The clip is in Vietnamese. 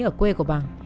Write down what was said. ở quê của bằng